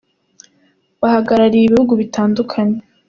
bahagarariye ibihugu bitandukanye.